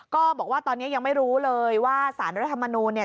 ก็บอกว่าตอนนี้ยังไม่รู้เลยว่าศาลรัฐธรรมนูล